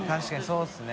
そうですね